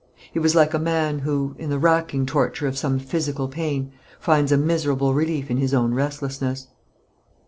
He was like a man who, in the racking torture of some physical pain, finds a miserable relief in his own restlessness.